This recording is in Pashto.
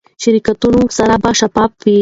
شرکتونو سره به شفاف،